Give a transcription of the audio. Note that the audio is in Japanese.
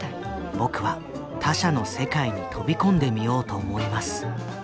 「僕は他者の世界に飛び込んでみようと思います。